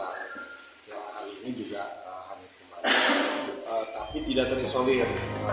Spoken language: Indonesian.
hal ini juga hanya tapi tidak terisolir